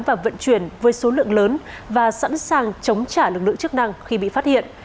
và vận chuyển với số lượng lớn và sẵn sàng chống trả lực lượng chức năng khi bị phát hiện